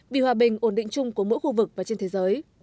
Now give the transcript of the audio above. vì hòa bình ổn định chung của mỗi khu vực và trên thế giới